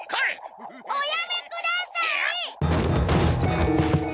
おやめください！でやっ！